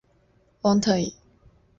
旺特伊。